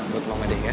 bu tolong adiknya